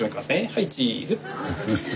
はいチーズ。